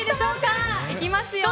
いきますよ。